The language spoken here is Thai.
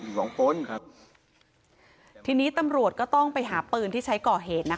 สองคนครับทีนี้ตำรวจก็ต้องไปหาปืนที่ใช้ก่อเหตุนะคะ